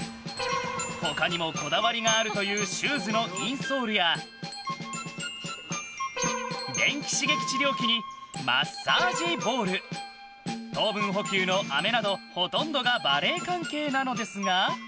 他にもこだわりがあるというシューズのインソールや電気刺激治療器にマッサージボール糖分補給のあめなどほとんどがバレー関係なのですが。